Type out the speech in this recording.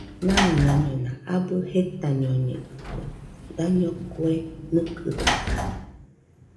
Naiñaiñona abɨ jetanoñedɨkue, daño kue nɨkɨdote